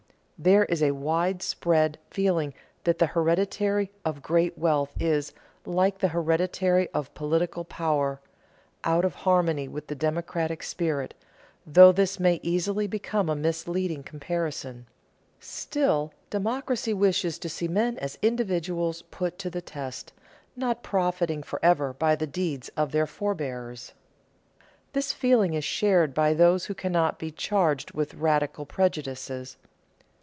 There is a widespread feeling that the heredity of great wealth is, like the heredity of political power, out of harmony with the democratic spirit though this may easily become a misleading comparison. Still, democracy wishes to see men as individuals put to the test, not profiting forever by the deeds of their forebears. This feeling is shared by those who cannot be charged with radical prejudices.